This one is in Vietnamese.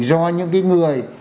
do những cái người